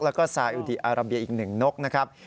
แล้วก็ซาอุดีอาราเบียอีก๑นกนะครับ